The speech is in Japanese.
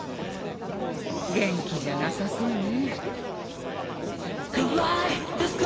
元気じゃなさそうね。